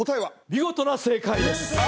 見事な正解です！